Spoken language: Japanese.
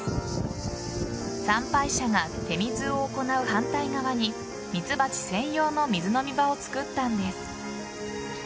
参拝者が手水を行う反対側にミツバチ専用の水飲み場を作ったんです。